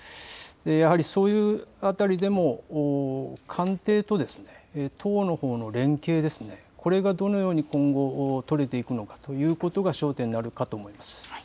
やはりそういうあたりでも、官邸と党のほうの連携ですね、これがどのように今後、取れていくのかということが、焦点になるかと思います。